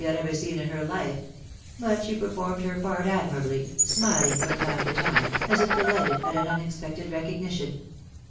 had ever seen in her life; but she performed her part ad mirably, smiting from time 4o time, >«*& if delighted at fin unexpected recognition.